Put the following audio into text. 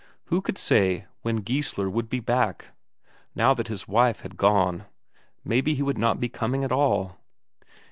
Who could say when Geissler would be back, now that his wife had gone; maybe he would not be coming at all?